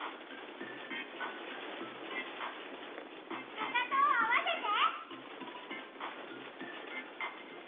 かかとをあわせて。